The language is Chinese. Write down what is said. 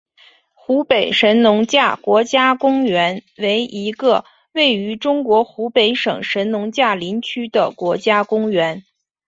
湖北神农架国家公园为一个位于中国湖北省神农架林区的国家公园。